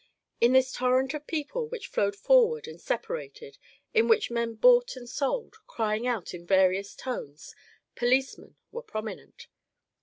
In this torrent of people which flowed forward and separated, in which men bought and sold, crying out in various tones, policemen were prominent.